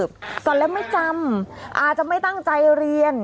ก่อนแล้วไม่จำอาจจะไม่ตั้งใจเรียน